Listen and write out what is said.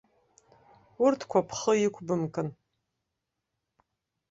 Урҭқәа бхы иқәыбкып.